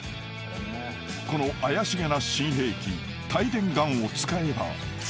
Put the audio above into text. ［この怪しげな新兵器帯電ガンを使えば］